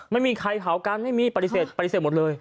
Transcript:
ไม่มีใครเผากันไม่มีปฏิเสธปฏิเสธหมดเลย